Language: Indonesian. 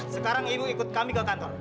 sekarang ibu ikut kami ke kantor